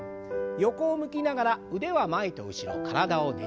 横を向きながら腕は前と後ろ体をねじります。